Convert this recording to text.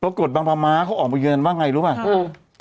ปกติบางประมาณเขาออกมาเยินว่าไงรู้ไหม